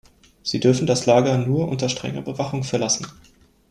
Sie dürfen das Lager nur unter strenger Bewachung verlassen.